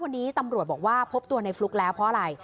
วันนี้ตำรวจบอกว่าพบตัวในฟลุ๊กแล้วเพราะอะไร